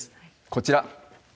こちら。